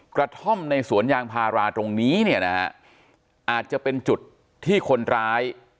กระท่อมในสวนยางพาราตรงนี้เนี่ยนะฮะอาจจะเป็นจุดที่คนร้าย